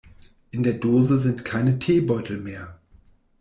In der Dose sind keine Teebeutel mehr.